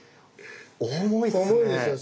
重いですね。